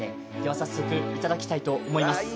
早速、頂きたいと思います。